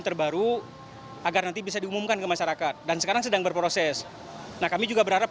terbaru agar nanti bisa diumumkan ke masyarakat dan sekarang sedang berproses nah kami juga berharap